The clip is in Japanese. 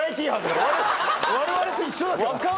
我々と一緒だから。